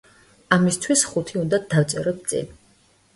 ამისთვის ხუთი უნდა დავწეროთ წინ.